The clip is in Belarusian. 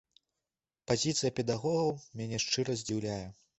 Пазіцыя педагогаў мяне шчыра здзіўляе.